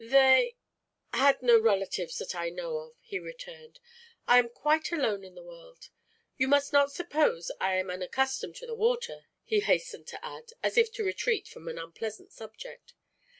"They had no relatives that I know of," he returned. "I am quite alone in the world. You must not suppose I am unaccustomed to the water," he hastened to add, as if to retreat from an unpleasant subject.